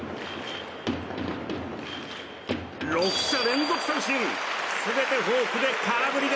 ６者連続三振。